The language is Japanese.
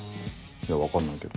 いや分かんないけど。